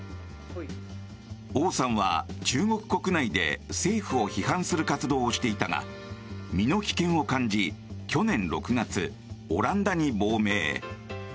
オウさんは、中国国内で政府を批判する活動をしていたが身の危険を感じ去年６月、オランダに亡命。